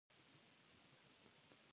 هغه کوم ځای؟